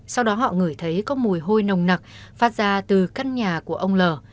sau đó họ ngửi thấy có mùi hôi nồng nặc phát ra từ căn nhà của ông l